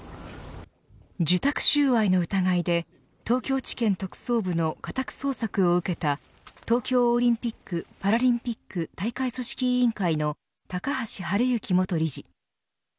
受託収賄の疑いで東京地検特捜部の家宅捜索を受けた東京オリンピック・パラリンピック大会組織委員会の高橋治之元理事。